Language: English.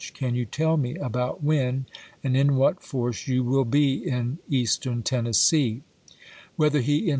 Yo bST Can you tell me about when and in what force you i86?.^V.^r. will be in Eastern Tennessee 1 " Whether he in p.'